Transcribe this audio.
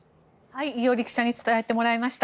伊従記者に伝えてもらいました。